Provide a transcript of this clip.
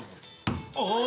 あ！